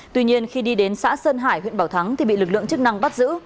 tuy nhiên khi đi đến xã sơn hải huyện bảo thắng thì bị lực lượng chức năng bắt giữ